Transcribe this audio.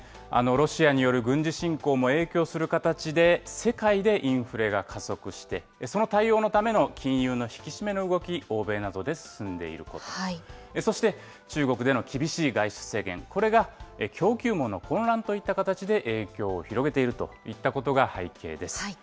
ロシアによる軍事侵攻も影響する形で、世界でインフレが加速して、その対応のための金融の引き締めの動き、欧米などで進んでいること、そして、中国での厳しい外出制限、これが供給網の混乱といった形で影響を広げているといったことが背景です。